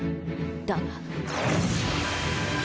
だが。